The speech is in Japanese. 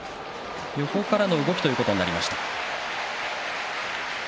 横からの動きということになりました。